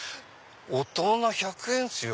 大人１００円っすよ。